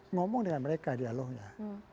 ngomong dengan mereka dialognya